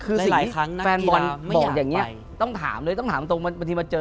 คือหลายครั้งนะแฟนบอลบอกอย่างนี้ต้องถามเลยต้องถามตรงบางทีมาเจอ